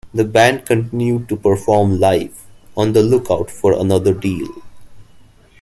The band continued to perform live, on the lookout for another deal.